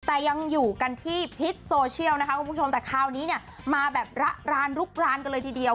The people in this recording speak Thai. แต่ยังอยู่กันที่พิษโซเชียลนะคะคุณผู้ชมแต่คราวนี้เนี่ยมาแบบระรานลุกรานกันเลยทีเดียว